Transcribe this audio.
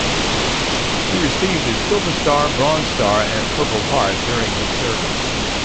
He received the Silver Star, Bronze Star and Purple Heart during his service.